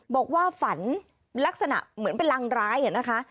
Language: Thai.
บอกว่าฝันลักษณะเหมือนเป็นรังร้ายนะคะ